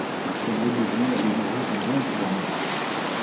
Le soleil devient l'allégorie du bon gouvernement.